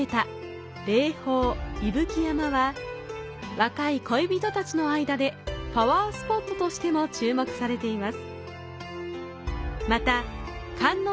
若い恋人たちの間でパワースポットとしても注目されています。